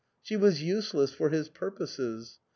She was useless for his purposes.